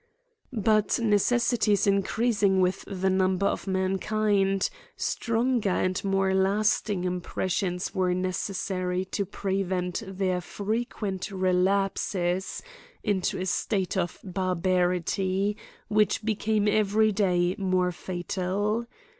But necessities increasing with the number of . mankind, stronger and more lasting impressions were necessary to prevent their frequent re lapses into a state of barbarity, which became every day more fatal.